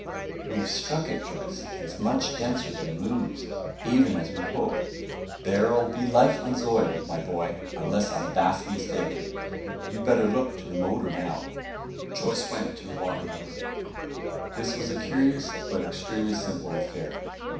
"We've struck it, Joyce. And it's much denser than the moon's, even as we'd hoped. There'll be life on Zeud, my boy, unless I'm vastly mistaken. You'd better look to the motor now." Joyce went to the water motor. This was a curious, but extremely simple affair.